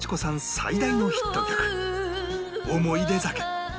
最大のヒット曲『おもいで酒』